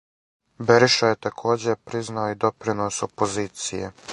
Бериша је такође признао и допринос опозиције.